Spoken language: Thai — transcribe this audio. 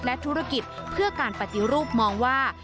และธุรกิจเพื่อการปฏิรูปมองว่า